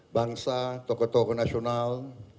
bangsa tokoh tokoh nasional